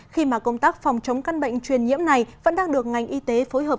khi mà công tác phòng chống căn bệnh truyền nhiễm này vẫn đang được ngành y tế phối hợp